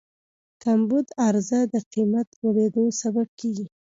کمبود عرضه د قیمت لوړېدو سبب کېږي.